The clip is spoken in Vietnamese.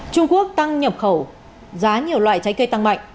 trung quốc tăng nhập khẩu giá nhiều loại trái cây tăng mạnh